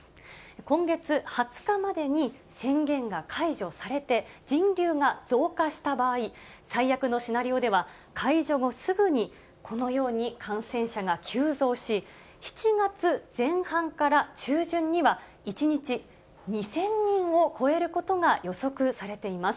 今月２０日までに、宣言が解除されて、人流が増加した場合、最悪のシナリオでは、解除後すぐに、このように感染者が急増し、７月前半から中旬には、１日２０００人を超えることが予測されています。